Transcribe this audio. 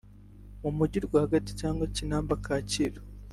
mu Mujyi rwagati cyangwa Kinamba - Kacyiru